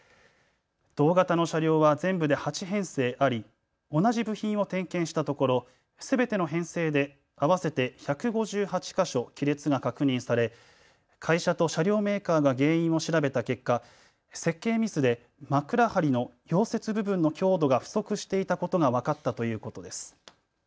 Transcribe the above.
同型の車両は全部で８編成あり同じ部品を点検したところすべての編成で合わせて１５８か所、亀裂が確認され会社と車両メーカーが原因を調べた結果、設計ミスで枕梁の溶接部分の強度が不足していたことが分かったということです。